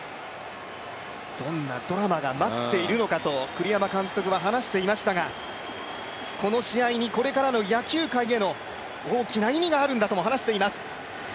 どんなドラマが待っているのかと栗山監督は話していましたがこの試合にこれからの野球界への大きな意味があるんだとも話しています。